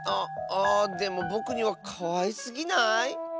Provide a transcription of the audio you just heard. ああでもぼくにはかわいすぎない？